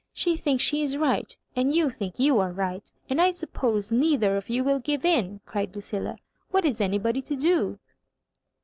She thinks she is right, and you think you are right ; and I suppose neither of you will give in," cried LuciUa. " What is anybody to do